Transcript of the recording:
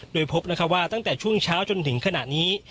โดยพบว่าตั้งแต่ช่วงเช้าจนถึงขณะนี้